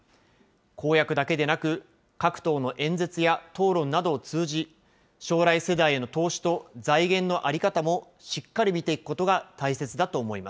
公約だけでなく、各党の演説や討論などを通じ、将来世代への投資と財源の在り方もしっかり見ていくことが大切だ